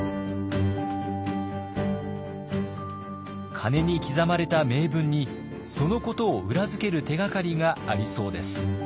鐘に刻まれた銘文にそのことを裏付ける手がかりがありそうです。